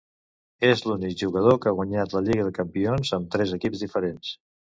És l'únic jugador que ha guanyat la Lliga de Campions amb tres equips diferents.